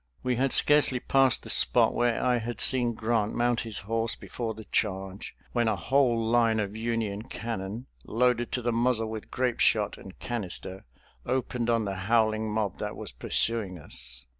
We had scarcely passed the spot where I had seen Grant mount his horse before the charge when a whole line of Union cannon, loaded to the muzzle with grape shot and canister, opened on the howling mob that was pursuing us.